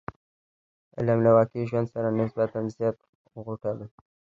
علم له واقعي ژوند سره نسبتا زیات غوټه وي.